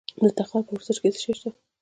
د تخار په ورسج کې څه شی شته؟